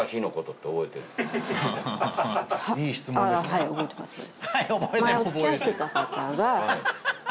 いい質問ですね。